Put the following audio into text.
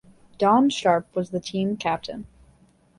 Don Sharp was the team captain.